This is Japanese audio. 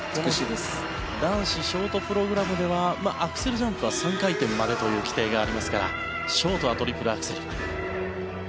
男子ショートプログラムではアクセルジャンプは３回転までという規定がありますからショートはトリプルアクセル。